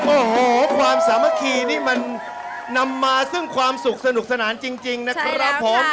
โอ้โหความสามัคคีนี่มันนำมาซึ่งความสุขสนุกสนานจริงนะครับผม